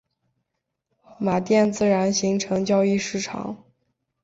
马甸自然形成交易市场。